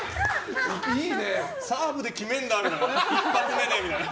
サーブで決めるんだ一発目でみたいな。